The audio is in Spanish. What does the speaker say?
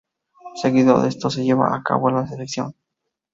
Seguido de esto se lleva a cabo la elección.